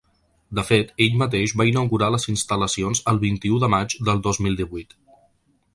De fet, ell mateix va inaugurar les instal·lacions el vint-i-u de maig del dos mil divuit.